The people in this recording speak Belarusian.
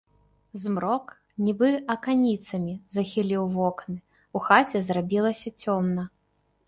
Змрок, нібы аканіцамі, захіліў вокны, у хаце зрабілася цёмна.